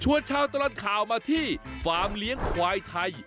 ชาวตลอดข่าวมาที่ฟาร์มเลี้ยงควายไทย